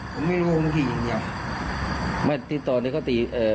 ผมไม่รู้ผมตีอย่างเดียวไม่ติดต่อเลยเขาตีเอ่อ